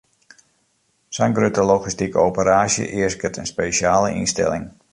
Sa'n grutte logistike operaasje easket in spesjale ynstelling.